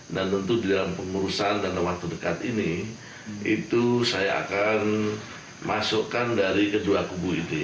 dan tentu di dalam pengurusan dan waktu dekat ini itu saya akan masukkan dari kedua kubu ini